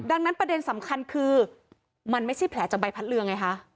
ดังนั้นประเด็นสำคัญคือมันไม่ใช่แผลจากใบพัดเรือไงคะ